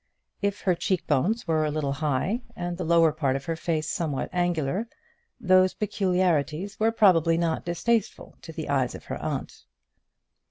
If her cheek bones were a little high, and the lower part of her face somewhat angular, those peculiarities were probably not distasteful to the eyes of her aunt.